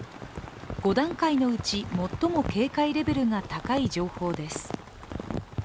５段階のうち最も警戒レベルが高い情報です。